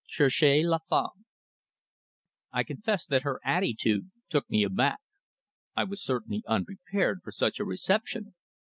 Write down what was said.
CHERCHEZ LA FEMME. I confess that her attitude took me aback. I was certainly unprepared for such a reception.